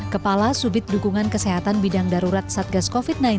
kepala subit dukungan kesehatan bidang darurat satgas covid sembilan belas